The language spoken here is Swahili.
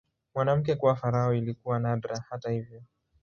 Mwanamke kuwa farao ilikuwa nadra, hata hivyo.